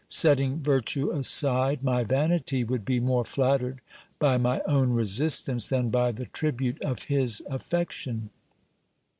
Setting virtue aside, my vanity would be more flattered by my own resistance than by the tribute of his affection.